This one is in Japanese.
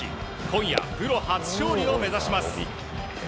今夜、プロ初勝利を目指します。